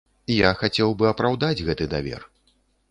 Я хацеў бы апраўдаць гэты давер.